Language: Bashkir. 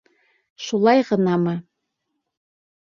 Шулай ғынамы...